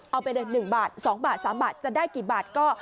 เอาไปเลย๑บาท๒บาท๓บาทจะได้กี่บาทก็